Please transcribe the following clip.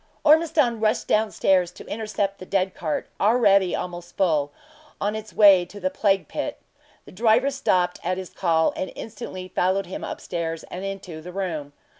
Ormiston rushed down stair to intercept the dead cart, already almost full on it way to the plague pit. The driver stopped at his call, and instantly followed him up stairs, and into the room.